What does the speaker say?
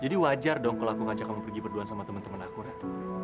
jadi wajar dong kalau aku ngajak kamu pergi berduaan sama temen temen aku kan